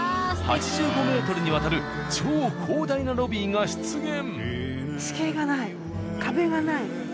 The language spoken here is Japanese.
８５ｍにわたる超広大なロビーが出現。